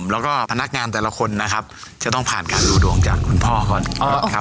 แล้วก็พนักงานแต่ละคนนะครับจะต้องผ่านการดูดวงจากคุณพ่อก่อนนะครับ